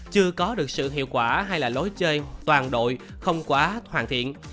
chưa có được sự hiệu quả hay là lối chơi toàn đội không quá hoàn thiện